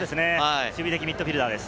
守備的ミッドフィールダーです。